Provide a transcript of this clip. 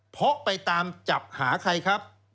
เพราะไปตามจับหาใครครับ